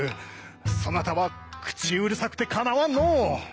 そなたは口うるさくてかなわんのう。